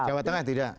jawa tengah tidak